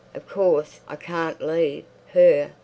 Of course I can't leave—her.